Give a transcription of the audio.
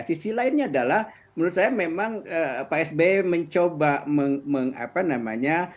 sisi lainnya adalah menurut saya memang pak sby mencoba mengapa namanya